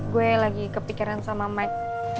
gue lagi kepikiran sama mike